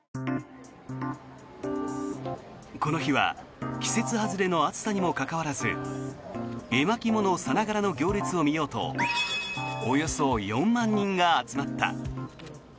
この日は季節外れの暑さにもかかわらず絵巻物さながらの行列を見ようとおよそ４万人が集まった。